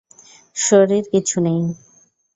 সরির কিছু নেই!